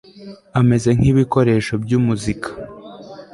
ameze nk ibikoresho by umuzika